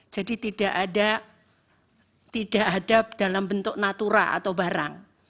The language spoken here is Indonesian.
jadi tidak ada dalam bentuk natura atau barang